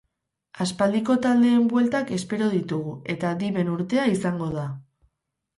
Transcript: Aspaldiko taldeen bueltak espero ditugu eta diven urtea izango da.